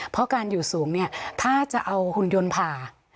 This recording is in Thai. เพราะการอยู่สูงเนี่ยถ้าจะเอาหุ่นยนต์ผ่า